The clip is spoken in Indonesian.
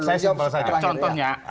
saya simpel saja